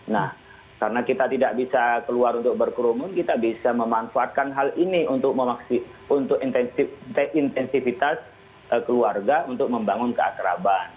nah karena kita tidak bisa keluar untuk berkerumun kita bisa memanfaatkan hal ini untuk intensitas keluarga untuk membangun keakraban